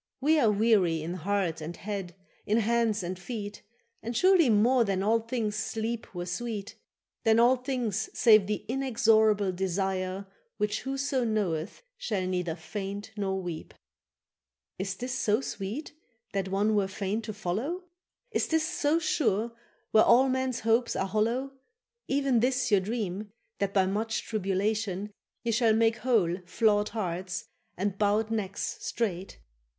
—We are weary in heart and head, in hands and feet, And surely more than all things sleep were sweet, Than all things save the inexorable desire Which whoso knoweth shall neither faint nor weep. —Is this so sweet that one were fain to follow? Is this so sure where all men's hopes are hollow, Even this your dream, that by much tribulation Ye shall make whole flawed hearts, and bowed necks straight?